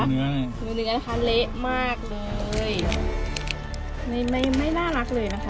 เนื้อนะคะเละมากเลยไม่ไม่น่ารักเลยนะคะ